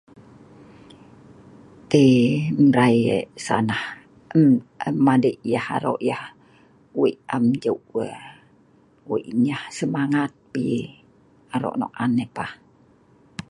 tei mrai sa'nah um um madik yah arok yah weik am jeu weh weik yeh semangat pi yii arok nok an yeh pah